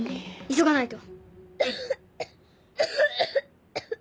急がないと。